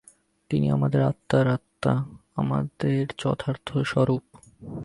তিনি আমাদের আত্মার আত্মা, আমাদের যথার্থ স্বরূপ।